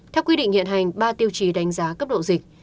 theo quy định hiện hành ba tiêu chí đánh giá cấp độ dịch